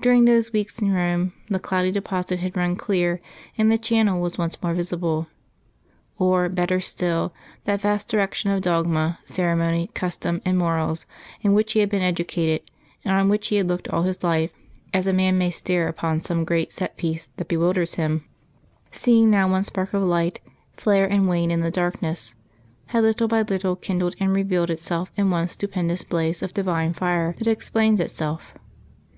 During those weeks in Rome the cloudy deposit had run clear and the channel was once more visible. Or, better still, that vast erection of dogma, ceremony, custom and morals in which he had been educated, and on which he had looked all his life (as a man may stare upon some great set piece that bewilders him), seeing now one spark of light, now another, flare and wane in the darkness, had little by little kindled and revealed itself in one stupendous blaze of divine fire that explains itself.